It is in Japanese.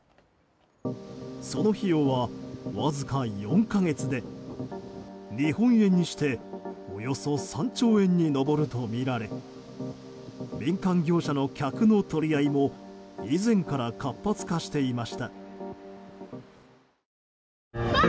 その費用はわずか４か月で日本円にしておよそ３兆円に上るとみられ民間業者の客の取り合いも以前から活発化していました。